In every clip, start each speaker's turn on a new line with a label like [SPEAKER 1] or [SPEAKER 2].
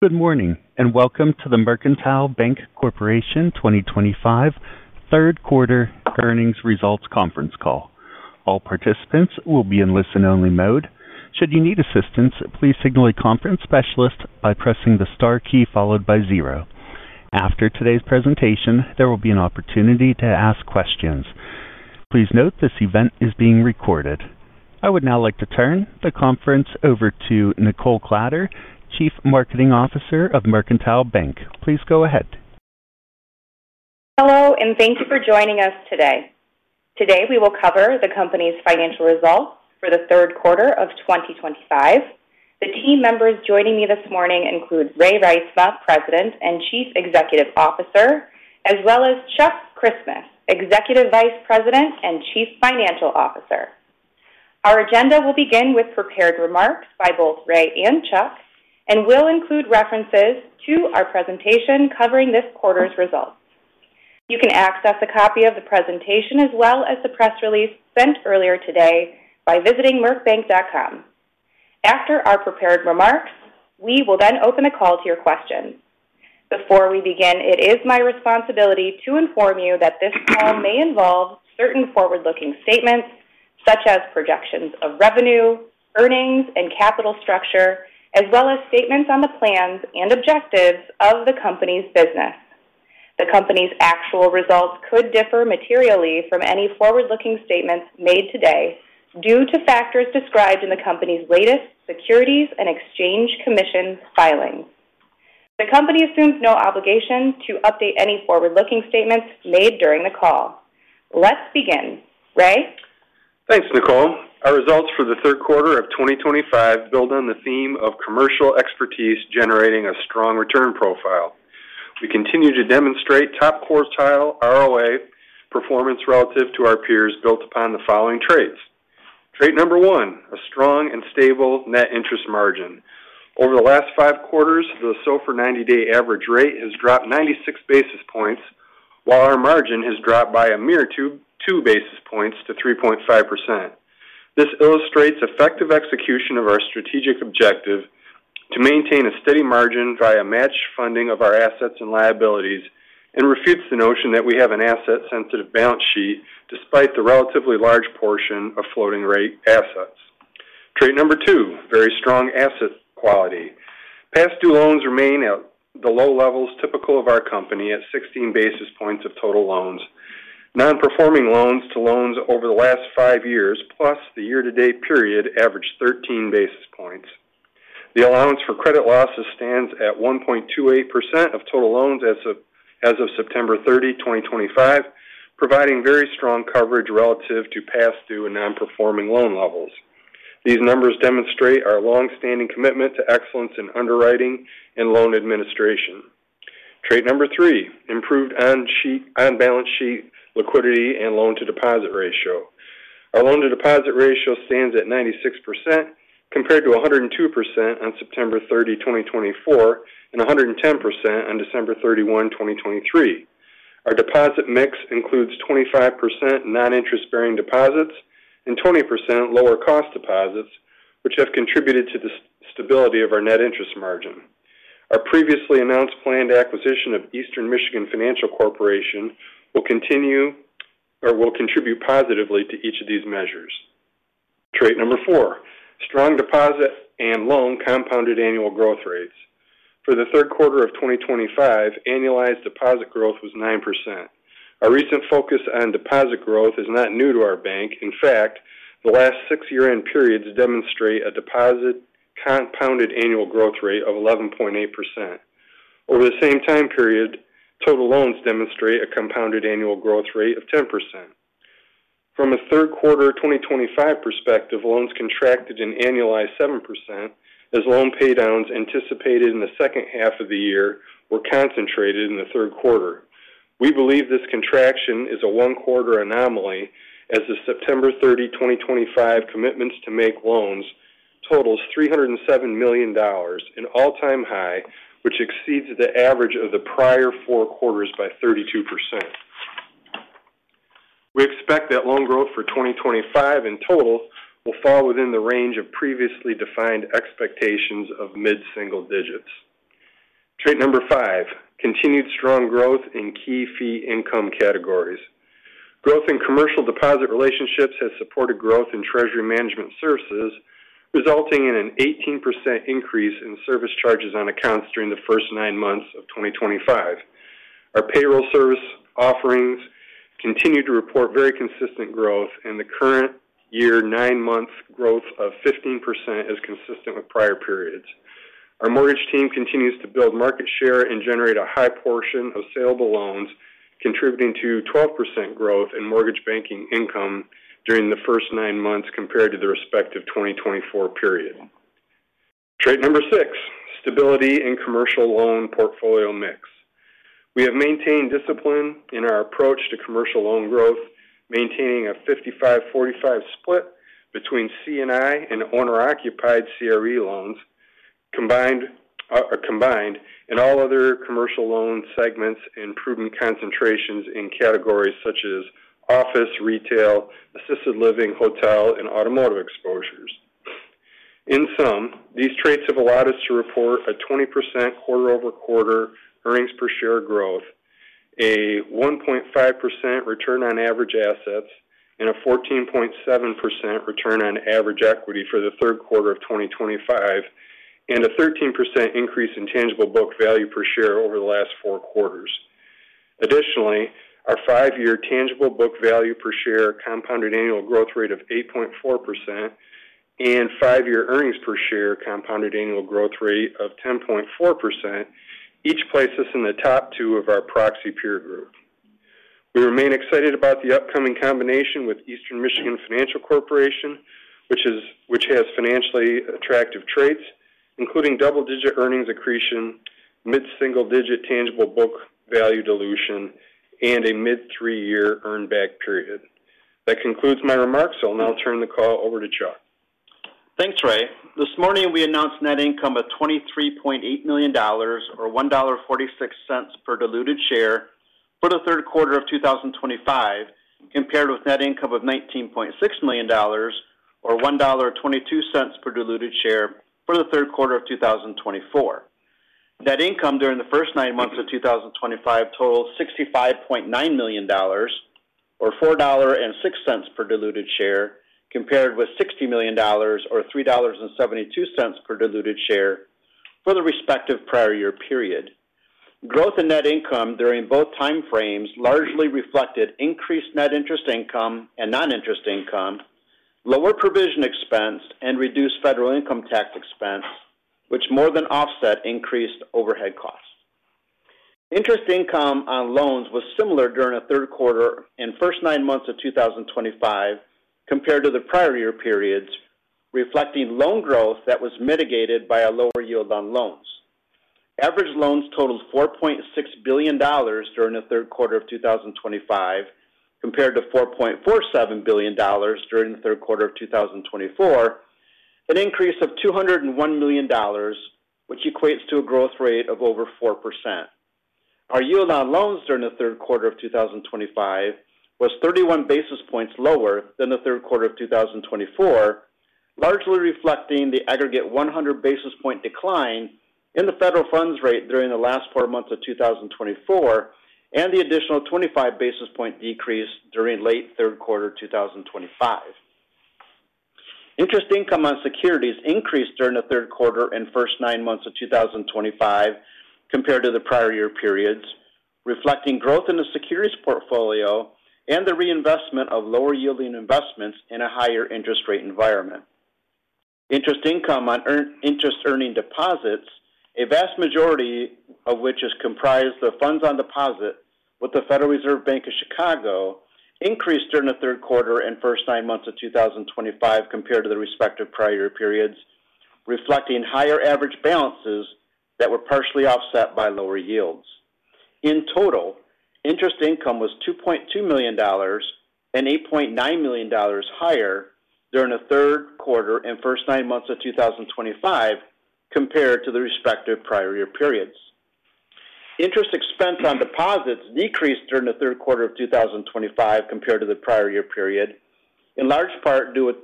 [SPEAKER 1] Good morning and welcome to the Mercantile Bank Corporation 2025 third quarter earnings results conference call. All participants will be in listen-only mode. Should you need assistance, please signal a conference specialist by pressing the star key followed by zero. After today's presentation, there will be an opportunity to ask questions. Please note this event is being recorded. I would now like to turn the conference over to Nichole Kladder, Chief Marketing Officer of Mercantile Bank. Please go ahead.
[SPEAKER 2] Hello and thank you for joining us today. Today we will cover the company's financial results for the third quarter of 2025. The team members joining me this morning include Ray Reitsma, President and Chief Executive Officer, as well as Chuck Christmas, Executive Vice President and Chief Financial Officer. Our agenda will begin with prepared remarks by both Ray and Chuck, and we'll include references to our presentation covering this quarter's results. You can access a copy of the presentation as well as the press release sent earlier today by visiting MercBank.com. After our prepared remarks, we will then open the call to your questions. Before we begin, it is my responsibility to inform you that this call may involve certain forward-looking statements, such as projections of revenue, earnings, and capital structure, as well as statements on the plans and objectives of the company's business. The company's actual results could differ materially from any forward-looking statements made today due to factors described in the company's latest Securities and Exchange Commission filings. The company assumes no obligation to update any forward-looking statements made during the call. Let's begin. Ray?
[SPEAKER 3] Thanks, Nichole. Our results for the third quarter of 2025 build on the theme of commercial expertise generating a strong return profile. We continue to demonstrate top quartile ROA performance relative to our peers, built upon the following traits. Trait number one, a strong and stable net interest margin. Over the last five quarters, the SOFR 90-day average rate has dropped 96 basis points, while our margin has dropped by a mere two basis points to 3.5%. This illustrates effective execution of our strategic objective to maintain a steady margin via matched funding of our assets and liabilities and refutes the notion that we have an asset-sensitive balance sheet despite the relatively large portion of floating rate assets. Trait number two, very strong asset quality. Past due loans remain at the low levels typical of our company at 16 basis points of total loans. Non-performing loans to loans over the last five years, plus the year-to-date period, average 13 basis points. The allowance for credit losses stands at 1.28% of total loans as of September 30, 2025, providing very strong coverage relative to past due and non-performing loan levels. These numbers demonstrate our longstanding commitment to excellence in underwriting and loan administration. Trait number three, improved on-balance sheet liquidity and loan-to-deposit ratio. Our loan-to-deposit ratio stands at 96% compared to 102% on September 30, 2024, and 110% on December 31, 2023. Our deposit mix includes 25% non-interest-bearing deposits and 20% lower-cost deposits, which have contributed to the stability of our net interest margin. Our previously announced planned acquisition of Eastern Michigan Financial Corporation will contribute positively to each of these measures. Trait number four, strong deposit and loan compounded annual growth rates. For the third quarter of 2025, annualized deposit growth was 9%. Our recent focus on deposit growth is not new to our bank. In fact, the last six year-end periods demonstrate a deposit compounded annual growth rate of 11.8%. Over the same time period, total loans demonstrate a compounded annual growth rate of 10%. From a third quarter 2025 perspective, loans contracted an annualized 7% as loan paydowns anticipated in the second half of the year were concentrated in the third quarter. We believe this contraction is a one-quarter anomaly as the September 30, 2025 commitments to make loans total $307 million, an all-time high which exceeds the average of the prior four quarters by 32%. We expect that loan growth for 2025 in total will fall within the range of previously defined expectations of mid-single digits. Trait number five, continued strong growth in key fee income categories. Growth in commercial deposit relationships has supported growth in treasury management services, resulting in an 18% increase in service charges on accounts during the first nine months of 2025. Our payroll service offerings continue to report very consistent growth, and the current year nine-month growth of 15% is consistent with prior periods. Our mortgage team continues to build market share and generate a high portion of saleable loans, contributing to 12% growth in mortgage banking income during the first nine months compared to the respective 2024 period. Trait number six, stability in commercial loan portfolio mix. We have maintained discipline in our approach to commercial loan growth, maintaining a 55-45 split between C&I and owner-occupied CRE loans combined and all other commercial loan segments and prudent concentrations in categories such as office, retail, assisted living, hotel, and automotive exposures. In sum, these traits have allowed us to report a 20% quarter-over-quarter earnings per share growth, a 1.5% return on average assets, and a 14.7% return on average equity for the third quarter of 2025, and a 13% increase in tangible book value per share over the last four quarters. Additionally, our five-year tangible book value per share compounded annual growth rate of 8.4% and five-year earnings per share compounded annual growth rate of 10.4% each place us in the top two of our proxy peer group. We remain excited about the upcoming combination with Eastern Michigan Financial Corporation, which has financially attractive traits, including double-digit earnings accretion, mid-single-digit tangible book value dilution, and a mid-three-year earn-back period. That concludes my remarks. I'll now turn the call over to Chuck.
[SPEAKER 4] Thanks, Ray. This morning we announced net income of $23.8 million or $1.46 per diluted share for the third quarter of 2025, compared with net income of $19.6 million or $1.22 per diluted share for the third quarter of 2024. Net income during the first nine months of 2025 totals $65.9 million or $4.06 per diluted share, compared with $60 million or $3.72 per diluted share for the respective prior year period. Growth in net income during both timeframes largely reflected increased net interest income and non-interest income, lower provision expense, and reduced federal income tax expense, which more than offset increased overhead costs. Interest income on loans was similar during the third quarter and first nine months of 2025 compared to the prior year periods, reflecting loan growth that was mitigated by a lower yield on loans. Average loans totaled $4.6 billion during the third quarter of 2025 compared to $4.47 billion during the third quarter of 2024, an increase of $201 million, which equates to a growth rate of over 4%. Our yield on loans during the third quarter of 2025 was 31 basis points lower than the third quarter of 2024, largely reflecting the aggregate 100 basis point decline in the federal funds rate during the last four months of 2024 and the additional 25 basis point decrease during late third quarter 2025. Interest income on securities increased during the third quarter and first nine months of 2025 compared to the prior year periods, reflecting growth in the securities portfolio and the reinvestment of lower-yielding investments in a higher interest rate environment. Interest income on interest-earning deposits, a vast majority of which is comprised of funds on deposit with the Federal Reserve Bank of Chicago, increased during the third quarter and first nine months of 2025 compared to the respective prior year periods, reflecting higher average balances that were partially offset by lower yields. In total, interest income was $2.2 million and $8.9 million higher during the third quarter and first nine months of 2025 compared to the respective prior year periods. Interest expense on deposits decreased during the third quarter of 2025 compared to the prior year period, in large part due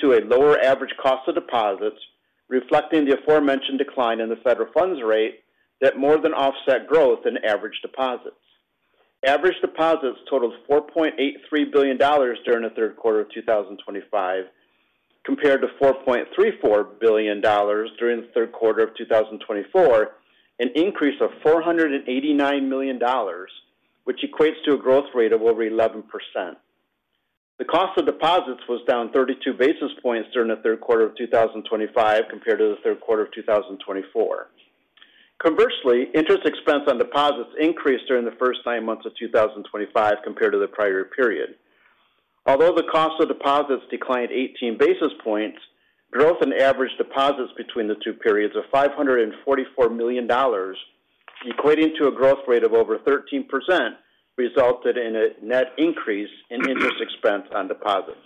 [SPEAKER 4] to a lower average cost of deposits, reflecting the aforementioned decline in the federal funds rate that more than offset growth in average deposits. Average deposits totaled $4.83 billion during the third quarter of 2025 compared to $4.34 billion during the third quarter of 2024, an increase of $489 million, which equates to a growth rate of over 11%. The cost of deposits was down 32 basis points during the third quarter of 2025 compared to the third quarter of 2024. Conversely, interest expense on deposits increased during the first nine months of 2025 compared to the prior year period. Although the cost of deposits declined 18 basis points, growth in average deposits between the two periods of $544 million, equating to a growth rate of over 13%, resulted in a net increase in interest expense on deposits.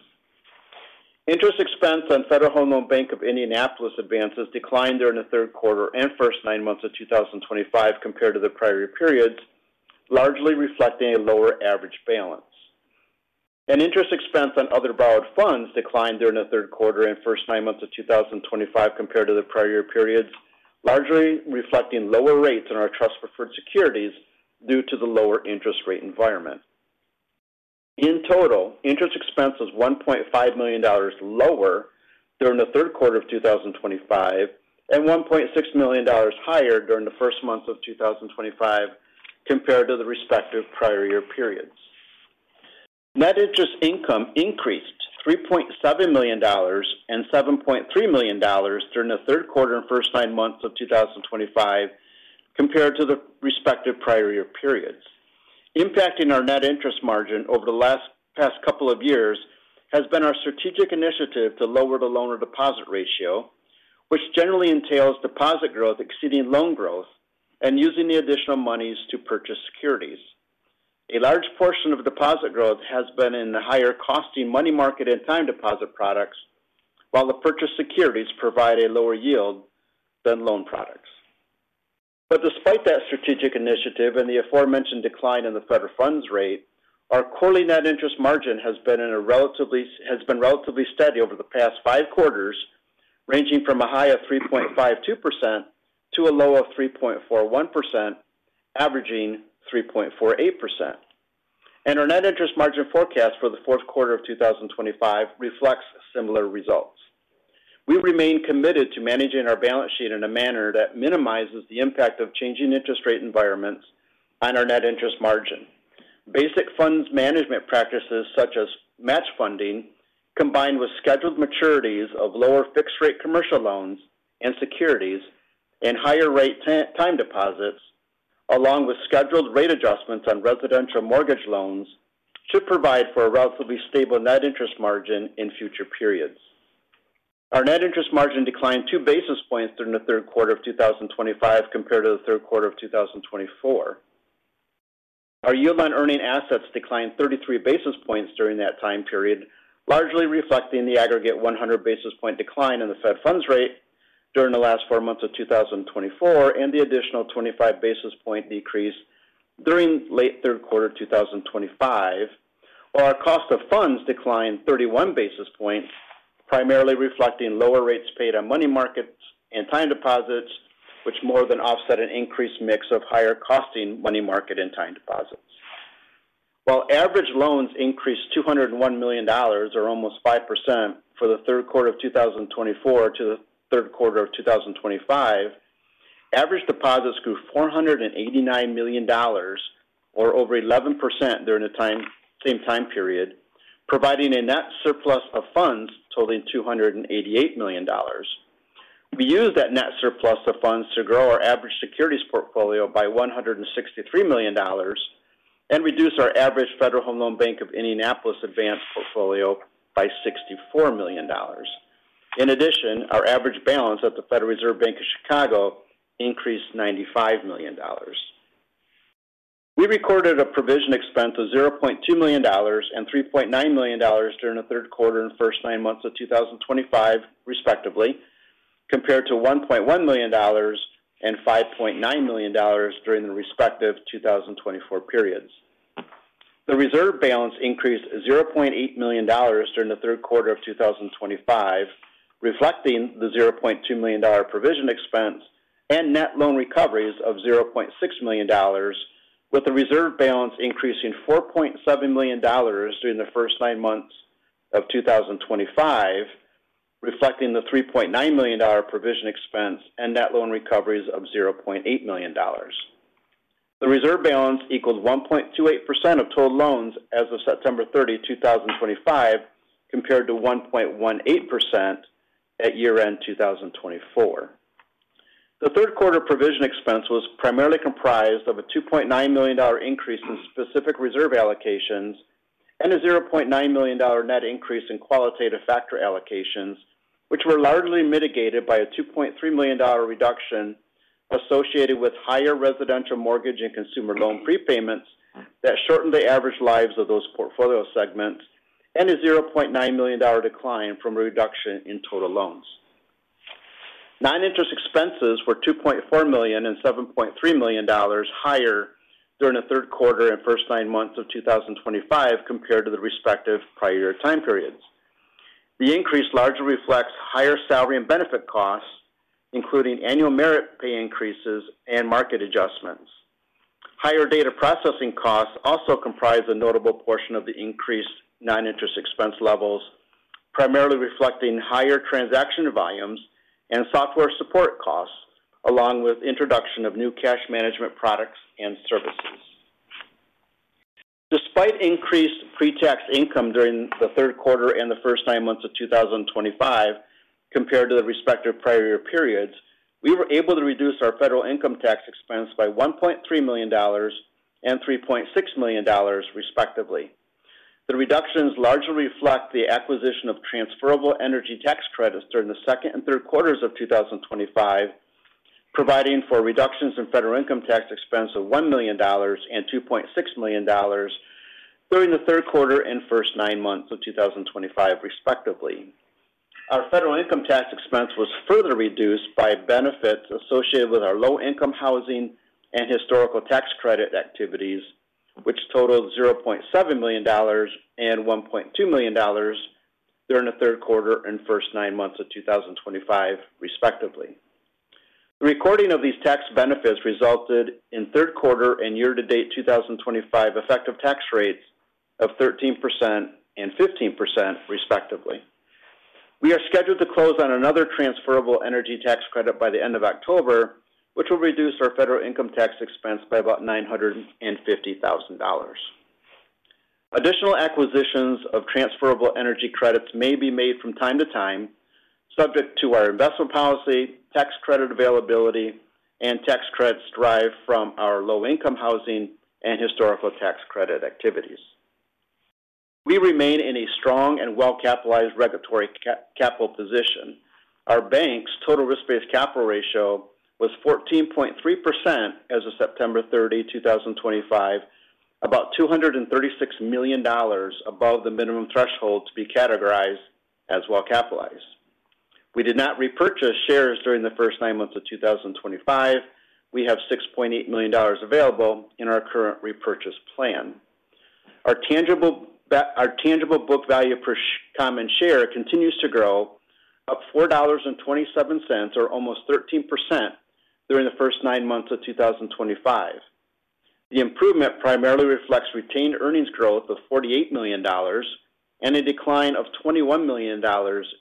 [SPEAKER 4] Interest expense on Federal Home Loan Bank advances declined during the third quarter and first nine months of 2025 compared to the prior year periods, largely reflecting a lower average balance. Interest expense on other borrowed funds declined during the third quarter and first nine months of 2025 compared to the prior year periods, largely reflecting lower rates on our trust-preferred securities due to the lower interest rate environment. In total, interest expense was $1.5 million lower during the third quarter of 2025 and $1.6 million higher during the first nine months of 2025 compared to the respective prior year periods. Net interest income increased $3.7 million and $7.3 million during the third quarter and first nine months of 2025 compared to the respective prior year periods. Impacting our net interest margin over the past couple of years has been our strategic initiative to lower the loan-to-deposit ratio, which generally entails deposit growth exceeding loan growth and using the additional monies to purchase securities. A large portion of deposit growth has been in the higher-costing money market and time deposit products, while the purchased securities provide a lower yield than loan products. Despite that strategic initiative and the aforementioned decline in the federal funds rate, our quarterly net interest margin has been relatively steady over the past five quarters, ranging from a high of 3.52% to a low of 3.41%, averaging 3.48%. Our net interest margin forecast for the fourth quarter of 2025 reflects similar results. We remain committed to managing our balance sheet in a manner that minimizes the impact of changing interest rate environments on our net interest margin. Basic funds management practices such as match funding, combined with scheduled maturities of lower fixed-rate commercial loans and securities and higher-rate time deposits, along with scheduled rate adjustments on residential mortgage loans, should provide for a relatively stable net interest margin in future periods. Our net interest margin declined two basis points during the third quarter of 2025 compared to the third quarter of 2024. Our yield on earning assets declined 33 basis points during that time period, largely reflecting the aggregate 100 basis point decline in the Fed funds rate during the last four months of 2024 and the additional 25 basis point decrease during late third quarter of 2025, while our cost of funds declined 31 basis points, primarily reflecting lower rates paid on money markets and time deposits, which more than offset an increased mix of higher-costing money market and time deposits. While average loans increased $201 million, or almost 5%, for the third quarter of 2024 to the third quarter of 2025, average deposits grew $489 million, or over 11% during the same time period, providing a net surplus of funds totaling $288 million. We used that net surplus of funds to grow our average securities portfolio by $163 million and reduce our average Federal Home Loan Bank of Indianapolis advances portfolio by $64 million. In addition, our average balance at the Federal Reserve Bank of Chicago increased $95 million. We recorded a provision expense of $0.2 million and $3.9 million during the third quarter and first nine months of 2025, respectively, compared to $1.1 million and $5.9 million during the respective 2024 periods. The reserve balance increased $0.8 million during the third quarter of 2025, reflecting the $0.2 million provision expense and net loan recoveries of $0.6 million, with the reserve balance increasing $4.7 million during the first nine months of 2025, reflecting the $3.9 million provision expense and net loan recoveries of $0.8 million. The reserve balance equaled 1.28% of total loans as of September 30, 2025, compared to 1.18% at year-end 2024. The third quarter provision expense was primarily comprised of a $2.9 million increase in specific reserve allocations and a $0.9 million net increase in qualitative factor allocations, which were largely mitigated by a $2.3 million reduction associated with higher residential mortgage and consumer loan prepayments that shortened the average lives of those portfolio segments and a $0.9 million decline from a reduction in total loans. Non-interest expenses were $2.4 million and $7.3 million higher during the third quarter and first nine months of 2025 compared to the respective prior year time periods. The increase largely reflects higher salary and benefit costs, including annual merit pay increases and market adjustments. Higher data processing costs also comprise a notable portion of the increased non-interest expense levels, primarily reflecting higher transaction volumes and software support costs, along with the introduction of new cash management products and services. Despite increased pre-tax income during the third quarter and the first nine months of 2025 compared to the respective prior year periods, we were able to reduce our federal income tax expense by $1.3 million and $3.6 million, respectively. The reductions largely reflect the acquisition of transferable energy tax credits during the second and third quarters of 2025, providing for reductions in federal income tax expense of $1 million and $2.6 million during the third quarter and first nine months of 2025, respectively. Our federal income tax expense was further reduced by benefits associated with our low-income housing and historical tax credit activities, which totaled $0.7 million and $1.2 million during the third quarter and first nine months of 2025, respectively. The recording of these tax benefits resulted in third quarter and year-to-date 2025 effective tax rates of 13% and 15%, respectively. We are scheduled to close on another transferable energy tax credit by the end of October, which will reduce our federal income tax expense by about $950,000. Additional acquisitions of transferable energy credits may be made from time to time, subject to our investment policy, tax credit availability, and tax credits derived from our low-income housing and historical tax credit activities. We remain in a strong and well-capitalized regulatory capital position. Our bank's total risk-based capital ratio was 14.3% as of September 30, 2025, about $236 million above the minimum threshold to be categorized as well-capitalized. We did not repurchase shares during the first nine months of 2025. We have $6.8 million available in our current repurchase plan. Our tangible book value per common share continues to grow, up $4.27, or almost 13%, during the first nine months of 2025. The improvement primarily reflects retained earnings growth of $48 million and a decline of $21 million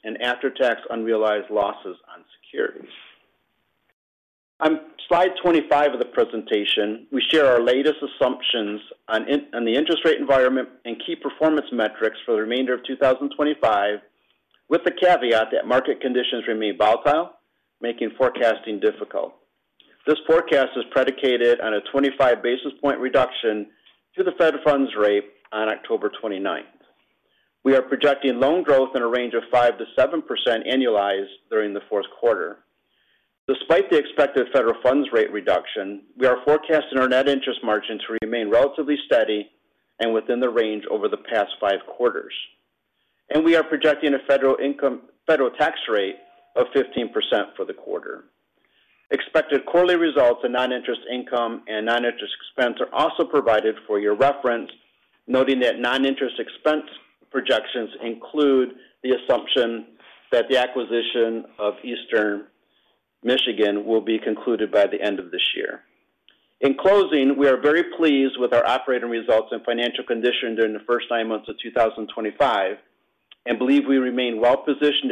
[SPEAKER 4] in after-tax unrealized losses on securities. On slide 25 of the presentation, we share our latest assumptions on the interest rate environment and key performance metrics for the remainder of 2025, with the caveat that market conditions remain volatile, making forecasting difficult. This forecast is predicated on a 25 basis point reduction to the federal funds rate on October 29. We are projecting loan growth in a range of 5% to 7% annualized during the fourth quarter. Despite the expected federal funds rate reduction, we are forecasting our net interest margin to remain relatively steady and within the range over the past five quarters. We are projecting a federal tax rate of 15% for the quarter. Expected quarterly results in non-interest income and non-interest expense are also provided for your reference, noting that non-interest expense projections include the assumption that the acquisition of Eastern Michigan will be concluded by the end of this year. In closing, we are very pleased with our operating results and financial condition during the first nine months of 2025 and believe we remain well-positioned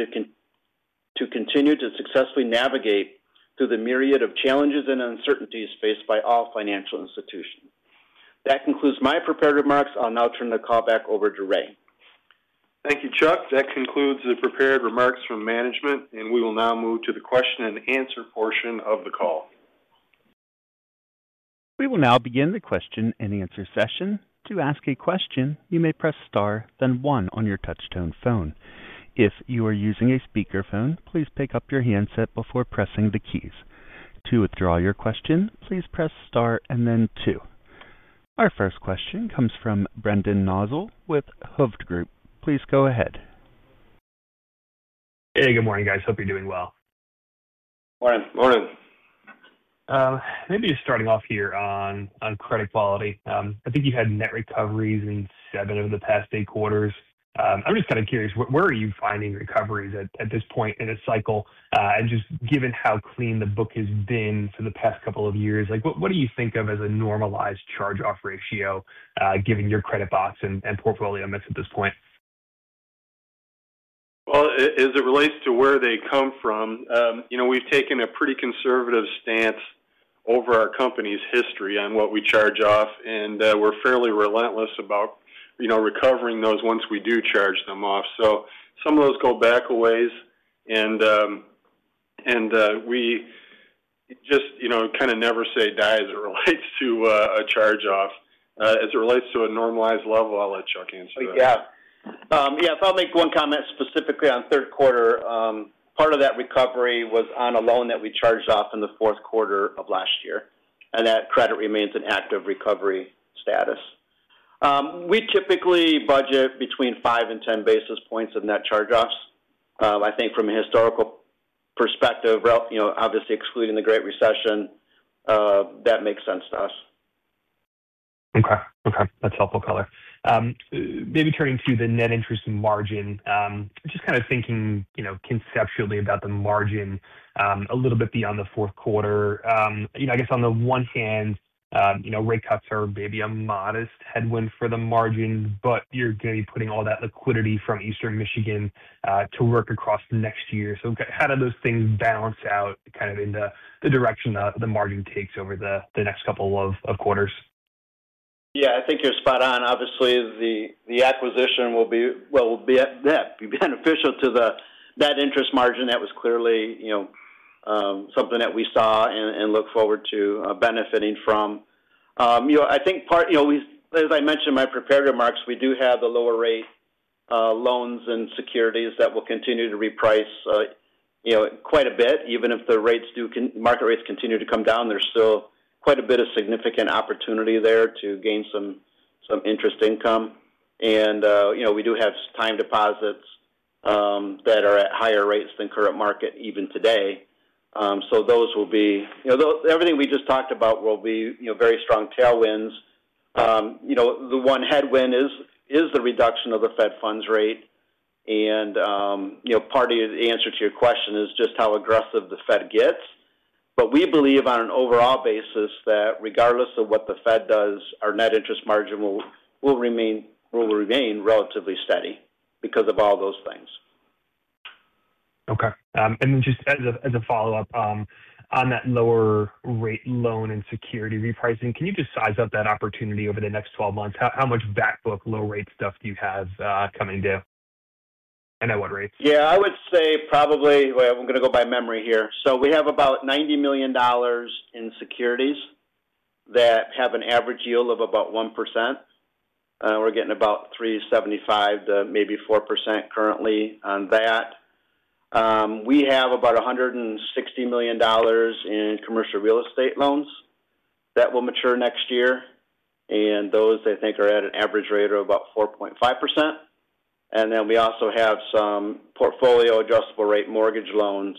[SPEAKER 4] to continue to successfully navigate through the myriad of challenges and uncertainties faced by all financial institutions. That concludes my prepared remarks. I'll now turn the call back over to Ray.
[SPEAKER 3] Thank you, Chuck. That concludes the prepared remarks from management, and we will now move to the question and answer portion of the call.
[SPEAKER 1] We will now begin the question and answer session. To ask a question, you may press star, then one on your touch-tone phone. If you are using a speakerphone, please pick up your handset before pressing the keys. To withdraw your question, please press star and then two. Our first question comes from Brendan Nosal with Hovde Group. Please go ahead.
[SPEAKER 5] Hey, good morning, guys. Hope you're doing well.
[SPEAKER 3] Morning.
[SPEAKER 4] Morning.
[SPEAKER 5] Maybe just starting off here on credit quality. I think you had net recoveries in seven of the past eight quarters. I'm just kind of curious, where are you finding recoveries at this point in a cycle? Just given how clean the book has been for the past couple of years, what do you think of as a normalized charge-off ratio given your credit box and portfolio mix at this point?
[SPEAKER 3] As it relates to where they come from, you know we've taken a pretty conservative stance over our company's history on what we charge off, and we're fairly relentless about recovering those once we do charge them off. Some of those go back aways, and we just kind of never say die as it relates to a charge-off. As it relates to a normalized level, I'll let Chuck answer that.
[SPEAKER 4] Yeah, I'll make one comment specifically on third quarter. Part of that recovery was on a loan that we charged off in the fourth quarter of last year, and that credit remains in active recovery status. We typically budget between 5% and 10% in net charge-offs. I think from a historical perspective, obviously excluding the Great Recession, that makes sense to us.
[SPEAKER 5] Okay. That's helpful color. Maybe turning to the net interest margin, just kind of thinking, you know, conceptually about the margin a little bit beyond the fourth quarter. I guess on the one hand, you know, rate cuts are maybe a modest headwind for the margin, but you're going to be putting all that liquidity from Eastern Michigan to work across next year. How do those things balance out in the direction the margin takes over the next couple of quarters?
[SPEAKER 4] Yeah, I think you're spot on. Obviously, the acquisition will be beneficial to the net interest margin. That was clearly something that we saw and look forward to benefiting from. I think part, as I mentioned in my prepared remarks, we do have the lower-rate loans and securities that will continue to reprice quite a bit. Even if the market rates continue to come down, there's still quite a bit of significant opportunity there to gain some interest income. We do have time deposits that are at higher rates than current market even today. Everything we just talked about will be very strong tailwinds. The one headwind is the reduction of the Fed funds rate. Part of the answer to your question is just how aggressive the Fed gets. We believe on an overall basis that regardless of what the Fed does, our net interest margin will remain relatively steady because of all those things.
[SPEAKER 5] Okay. Just as a follow-up on that lower-rate loan and security repricing, can you size up that opportunity over the next 12 months? How much backbook, low-rate stuff do you have coming down and at what rates?
[SPEAKER 4] Yeah, I would say probably, I'm going to go by memory here. We have about $90 million in securities that have an average yield of about 1%. We're getting about 3.75% to maybe 4% currently on that. We have about $160 million in commercial real estate loans that will mature next year. Those, I think, are at an average rate of about 4.5%. We also have some portfolio adjustable-rate mortgage loans.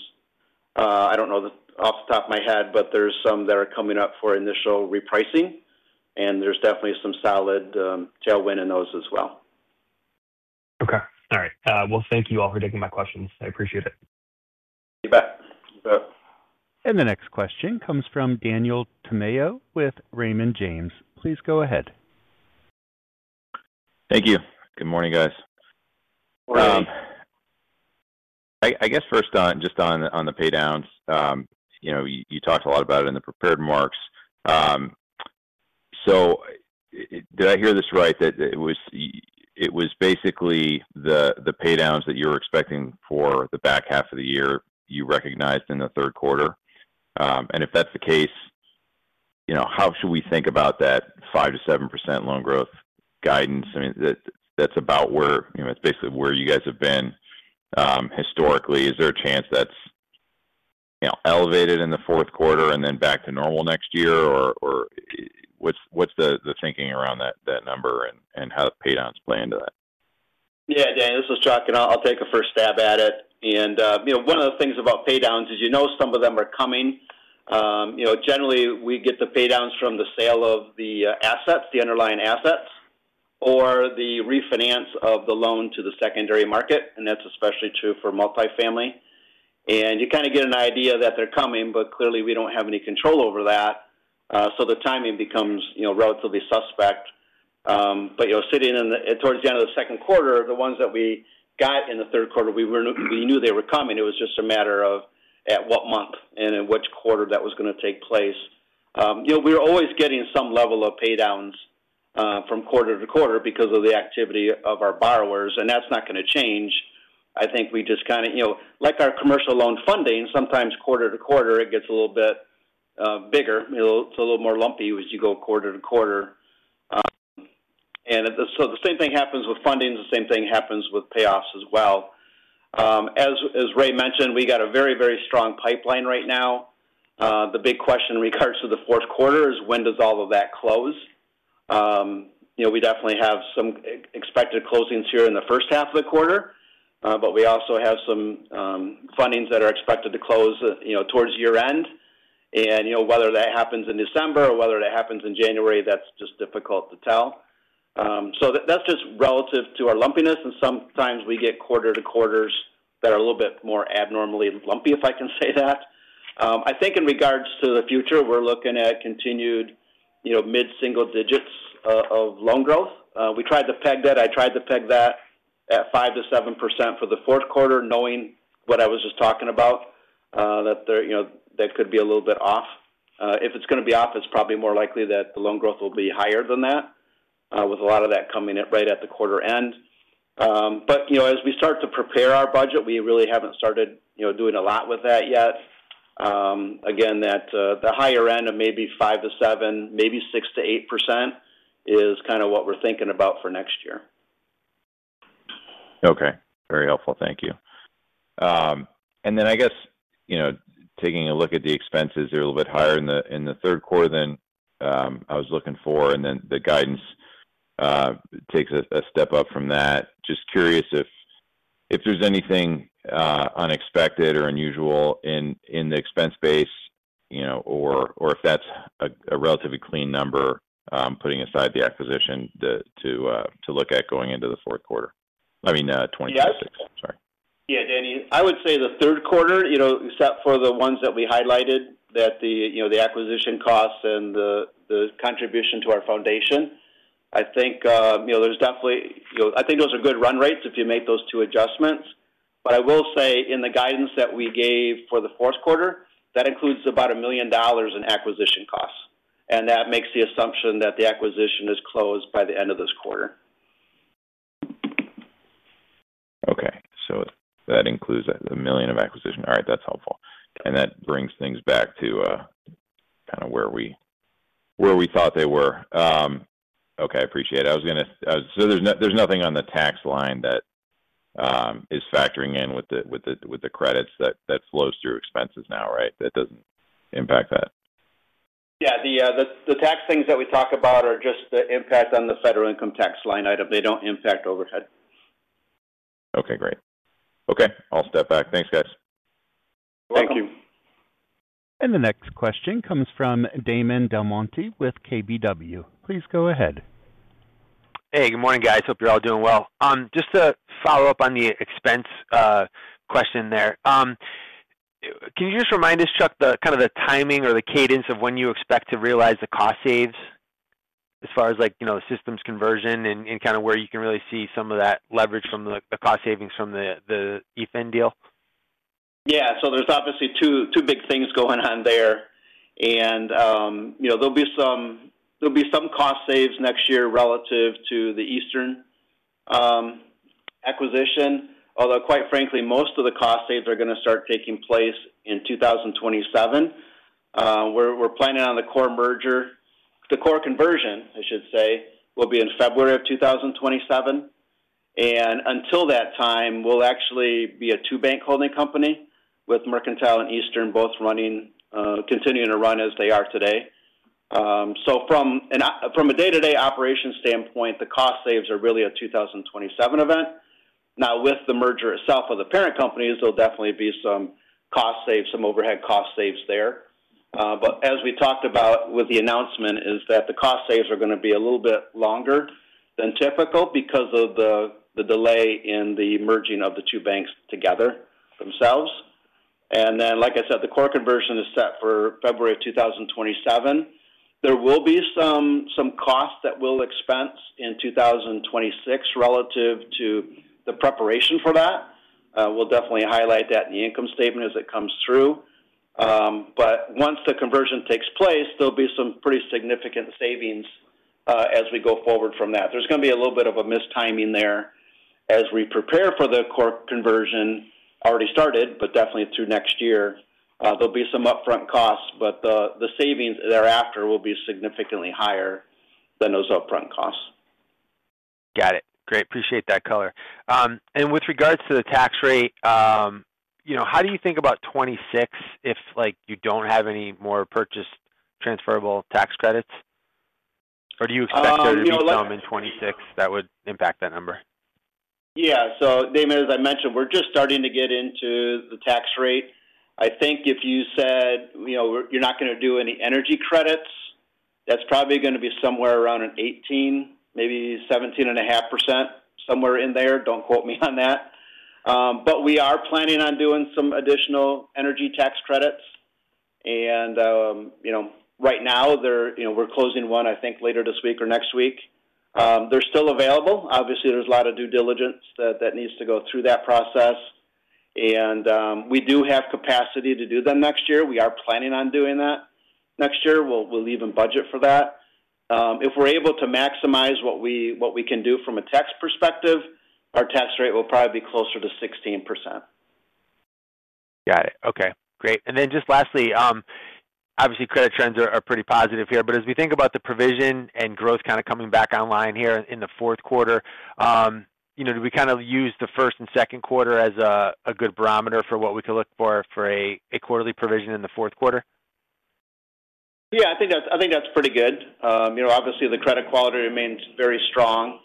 [SPEAKER 4] I don't know off the top of my head, but there's some that are coming up for initial repricing. There's definitely some solid tailwind in those as well.
[SPEAKER 5] All right. Thank you all for taking my questions. I appreciate it.
[SPEAKER 4] You bet.
[SPEAKER 3] You bet.
[SPEAKER 1] The next question comes from Daniel Tamayo with Raymond James. Please go ahead.
[SPEAKER 6] Thank you. Good morning, guys.
[SPEAKER 4] Morning.
[SPEAKER 6] I guess first on just on the paydowns, you talked a lot about it in the prepared remarks. Did I hear this right that it was basically the paydowns that you were expecting for the back half of the year you recognized in the third quarter? If that's the case, how should we think about that 5% to 7% loan growth guidance? I mean, that's about where, it's basically where you guys have been historically. Is there a chance that's elevated in the fourth quarter and then back to normal next year? What's the thinking around that number and how paydowns play into that?
[SPEAKER 4] Yeah, Dan, this is Chuck, and I'll take a first stab at it. One of the things about paydowns is some of them are coming. Generally, we get the paydowns from the sale of the assets, the underlying assets, or the refinance of the loan to the secondary market. That's especially true for multifamily. You kind of get an idea that they're coming, but clearly, we don't have any control over that. The timing becomes relatively suspect. Sitting towards the end of the second quarter, the ones that we got in the third quarter, we knew they were coming. It was just a matter of at what month and in which quarter that was going to take place. We're always getting some level of paydowns from quarter to quarter because of the activity of our borrowers. That's not going to change. I think we just kind of, like our commercial loan funding, sometimes quarter to quarter, it gets a little bit bigger. It's a little more lumpy as you go quarter to quarter. The same thing happens with fundings. The same thing happens with payoffs as well. As Ray mentioned, we got a very, very strong pipeline right now. The big question in regards to the fourth quarter is when does all of that close? We definitely have some expected closings here in the first half of the quarter, but we also have some fundings that are expected to close towards year-end. Whether that happens in December or whether that happens in January, that's just difficult to tell. That's just relative to our lumpiness. Sometimes we get quarter to quarters that are a little bit more abnormally lumpy, if I can say that. I think in regards to the future, we're looking at continued mid-single digits of loan growth. We tried to peg that. I tried to peg that at 5% to 7% for the fourth quarter, knowing what I was just talking about, that there, you know, that could be a little bit off. If it's going to be off, it's probably more likely that the loan growth will be higher than that, with a lot of that coming right at the quarter end. As we start to prepare our budget, we really haven't started doing a lot with that yet. Again, the higher end of maybe 5% to 7%, maybe 6% to 8% is kind of what we're thinking about for next year.
[SPEAKER 6] Okay. Very helpful. Thank you. I guess, you know, taking a look at the expenses, they're a little bit higher in the third quarter than I was looking for, and the guidance takes a step up from that. Just curious if there's anything unexpected or unusual in the expense base, you know, or if that's a relatively clean number, putting aside the acquisition, to look at going into the fourth quarter. I mean, 2026. Sorry.
[SPEAKER 4] Yeah, Danny, I would say the third quarter, except for the ones that we highlighted, the acquisition costs and the contribution to our foundation, I think those are good run rates if you make those two adjustments. I will say in the guidance that we gave for the fourth quarter, that includes about $1 million in acquisition costs. That makes the assumption that the acquisition is closed by the end of this quarter.
[SPEAKER 6] Okay. That includes $1 million of acquisition. All right, that's helpful. That brings things back to kind of where we thought they were. Okay, I appreciate it. I was going to, so there's nothing on the tax line that is factoring in with the credits that flows through expenses now, right? That doesn't impact that?
[SPEAKER 4] Yeah. The tax things that we talk about are just the impact on the federal income tax line item. They don't impact overhead.
[SPEAKER 6] Okay. Great. I'll step back. Thanks, guys.
[SPEAKER 4] Thank you.
[SPEAKER 1] The next question comes from Damon DelMonte with KBW. Please go ahead.
[SPEAKER 7] Hey, good morning, guys. Hope you're all doing well. Just to follow up on the expense question, can you just remind us, Chuck, the timing or the cadence of when you expect to realize the cost saves as far as the systems conversion and where you can really see some of that leverage from the cost savings from the Eastern deal?
[SPEAKER 3] Yeah. There are obviously two big things going on there. There will be some cost saves next year relative to the Eastern acquisition, although quite frankly, most of the cost saves are going to start taking place in 2027. We're planning on the core conversion in February of 2027. Until that time, we'll actually be a two-bank holding company with Mercantile and Eastern both continuing to run as they are today. From a day-to-day operations standpoint, the cost saves are really a 2027 event. With the merger itself of the parent companies, there will definitely be some cost saves, some overhead cost saves there. As we talked about with the announcement, the cost saves are going to be a little bit longer than typical because of the delay in the merging of the two banks together themselves. The core conversion is set for February of 2027. There will be some costs that we'll expense in 2026 relative to the preparation for that. We'll definitely highlight that in the income statement as it comes through. Once the conversion takes place, there will be some pretty significant savings as we go forward from that. There is going to be a little bit of a mistiming there as we prepare for the core conversion already started, but definitely through next year. There will be some upfront costs, but the savings thereafter will be significantly higher than those upfront costs.
[SPEAKER 7] Got it. Great. Appreciate that color. With regards to the tax rate, how do you think about 2026 if you don't have any more purchased transferable energy tax credits? Do you expect there to be some in 2026 that would impact that number?
[SPEAKER 3] Yeah. Damon, as I mentioned, we're just starting to get into the tax rate. I think if you said, you know, you're not going to do any energy tax credits, that's probably going to be somewhere around 18%, maybe 17.5%, somewhere in there. Don't quote me on that. We are planning on doing some additional energy tax credits. Right now, we're closing one, I think, later this week or next week. They're still available. Obviously, there's a lot of due diligence that needs to go through that process. We do have capacity to do them next year. We are planning on doing that next year. We'll even budget for that. If we're able to maximize what we can do from a tax perspective, our tax rate will probably be closer to 16%.
[SPEAKER 7] Got it. Okay. Great. Lastly, obviously, credit trends are pretty positive here. As we think about the provision and growth kind of coming back online here in the fourth quarter, do we kind of use the first and second quarter as a good barometer for what we could look for for a quarterly provision in the fourth quarter?
[SPEAKER 3] Yeah, I think that's pretty good. Obviously, the credit quality remains very strong.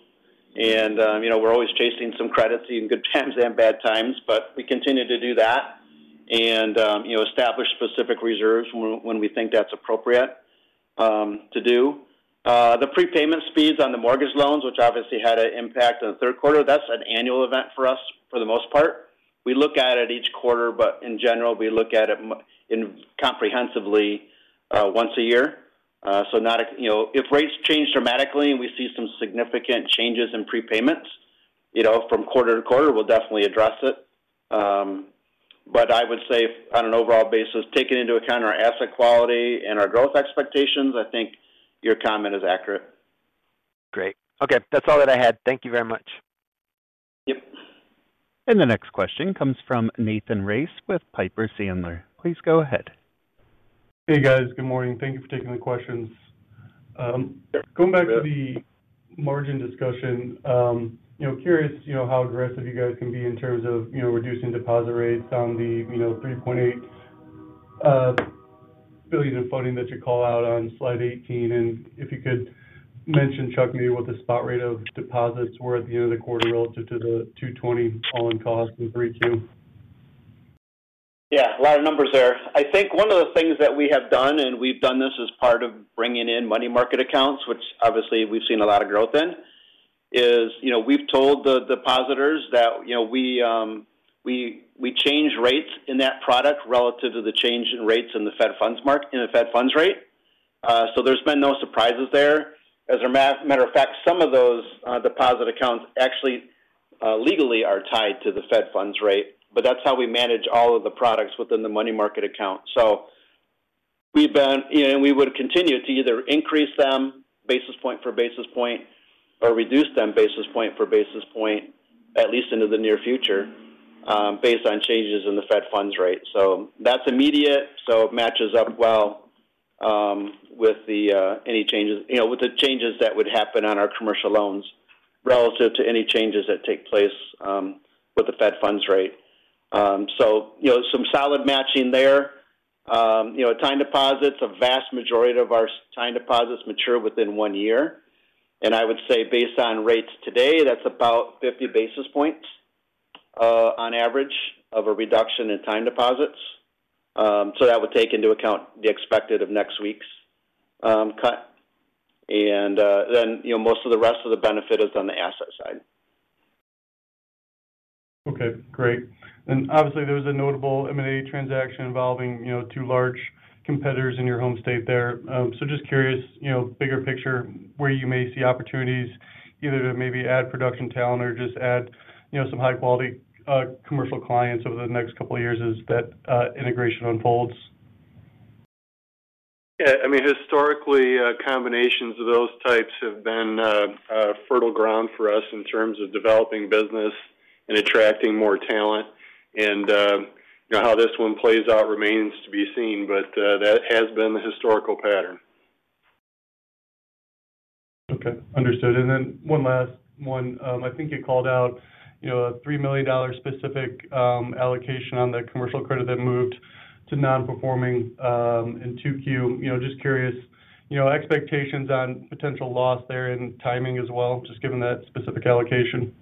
[SPEAKER 3] We're always chasing some credits, even good times and bad times. We continue to do that and establish specific reserves when we think that's appropriate to do. The prepayment speeds on the mortgage loans, which obviously had an impact on the third quarter, that's an annual event for us for the most part. We look at it at each quarter, but in general, we look at it comprehensively once a year. If rates change dramatically and we see some significant changes in prepayments from quarter to quarter, we'll definitely address it. I would say on an overall basis, taking into account our asset quality and our growth expectations, I think your comment is accurate.
[SPEAKER 7] Great. Okay. That's all that I had. Thank you very much.
[SPEAKER 3] Yep.
[SPEAKER 1] The next question comes from Nathan Race with Piper Sandler. Please go ahead.
[SPEAKER 8] Hey, guys. Good morning. Thank you for taking the questions. Going back to the margin discussion, curious how aggressive you guys can be in terms of reducing deposit rates on the $3.8 billion in funding that you call out on slide 18. If you could mention, Chuck, maybe what the spot rate of deposits were at the end of the quarter relative to the 2.20% all-in cost in 3Q.
[SPEAKER 4] Yeah, a lot of numbers there. I think one of the things that we have done, and we've done this as part of bringing in money market accounts, which obviously we've seen a lot of growth in, is we've told the depositors that we change rates in that product relative to the change in rates in the Fed funds market, in the Fed funds rate. There's been no surprises there. As a matter of fact, some of those deposit accounts actually legally are tied to the Fed funds rate. That's how we manage all of the products within the money market account. We've been, and we would continue to either increase them basis point for basis point or reduce them basis point for basis point, at least into the near future, based on changes in the Fed funds rate. That's immediate. It matches up well with any changes, with the changes that would happen on our commercial loans relative to any changes that take place with the Fed funds rate. Some solid matching there. Time deposits, a vast majority of our time deposits mature within one year. I would say based on rates today, that's about 50 basis points on average of a reduction in time deposits. That would take into account the expected of next week's cut. Most of the rest of the benefit is on the asset side.
[SPEAKER 8] Okay. Great. There's a notable M&A transaction involving two large competitors in your home state there. Just curious, bigger picture, where you may see opportunities either to maybe add production talent or just add some high-quality commercial clients over the next couple of years as that integration unfolds. Yeah.
[SPEAKER 3] Historically, combinations of those types have been fertile ground for us in terms of developing business and attracting more talent. You know how this one plays out remains to be seen, but that has been the historical pattern.
[SPEAKER 8] Okay. Understood. One last one, I think you called out a $3 million specific allocation on the commercial credit that moved to non-performing in 2Q. Just curious, expectations on potential loss there and timing as well, just given that specific allocation.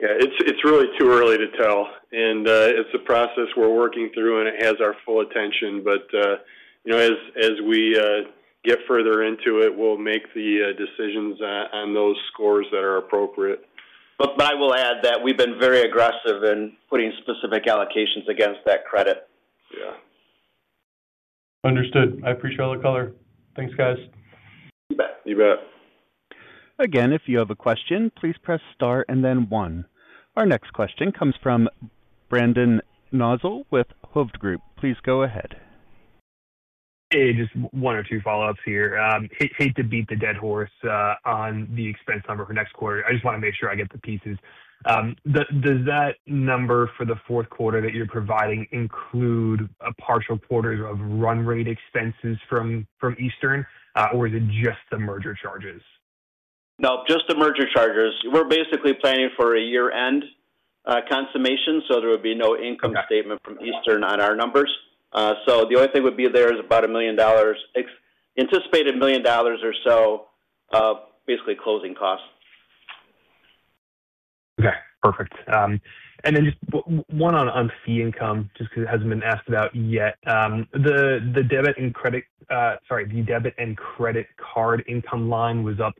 [SPEAKER 3] Yeah, it's really too early to tell. It's a process we're working through, and it has our full attention. As we get further into it, we'll make the decisions on those scores that are appropriate.
[SPEAKER 4] We have been very aggressive in putting specific allocations against that credit.
[SPEAKER 3] Yeah.
[SPEAKER 8] Understood. I appreciate all the color. Thanks, guys.
[SPEAKER 4] You bet.
[SPEAKER 3] You bet.
[SPEAKER 1] Again, if you have a question, please press star and then one. Our next question comes from Brendan Nosal with Hovde Group. Please go ahead.
[SPEAKER 5] Hey, just one or two follow-ups here. Hate to beat the dead horse on the expense number for next quarter. I just want to make sure I get the pieces. Does that number for the fourth quarter that you're providing include a partial quarter of run rate expenses from Eastern, or is it just the merger charges?
[SPEAKER 3] No, just the merger charges. We're basically planning for a year-end consummation, so there would be no income statement from Eastern on our numbers. The only thing would be there is about $1 million, anticipated $1 million or so, basically closing costs.
[SPEAKER 5] Okay. Perfect. Just one on fee income, just because it hasn't been asked about yet. The debit and credit card income line was up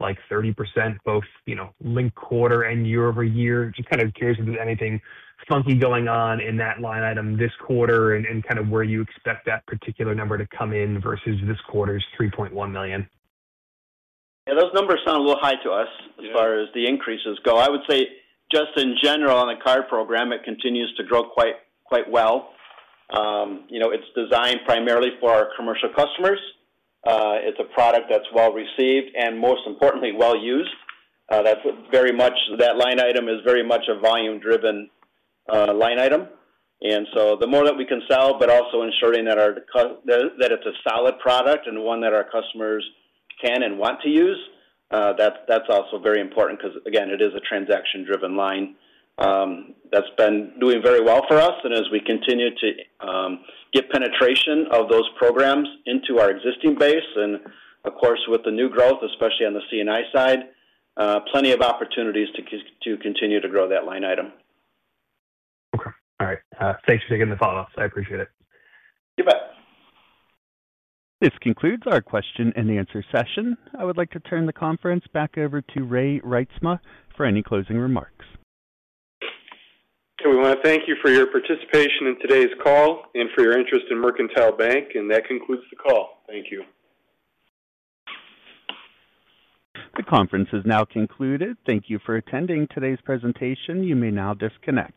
[SPEAKER 5] like 30%, both, you know, linked quarter and year over year. Just kind of curious if there's anything funky going on in that line item this quarter and kind of where you expect that particular number to come in versus this quarter's $3.1 million.
[SPEAKER 3] Yeah, those numbers sound a little high to us as far as the increases go. I would say just in general, on the commercial card program, it continues to grow quite well. You know, it's designed primarily for our commercial customers. It's a product that's well received and, most importantly, well used. That line item is very much a volume-driven line item. The more that we can sell, but also ensuring that it's a solid product and one that our customers can and want to use, that's also very important because, again, it is a transaction-driven line that's been doing very well for us. As we continue to get penetration of those programs into our existing base, and of course, with the new growth, especially on the C&I side, there are plenty of opportunities to continue to grow that line item.
[SPEAKER 5] Okay. All right. Thanks for taking the follow-ups. I appreciate it.
[SPEAKER 3] You bet.
[SPEAKER 1] This concludes our question and answer session. I would like to turn the conference back over to Ray Reitsma for any closing remarks.
[SPEAKER 3] We want to thank you for your participation in today's call and for your interest in Mercantile Bank. That concludes the call. Thank you.
[SPEAKER 1] The conference is now concluded. Thank you for attending today's presentation. You may now disconnect.